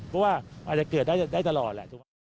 เพราะว่าอาจจะเกิดได้ตลอด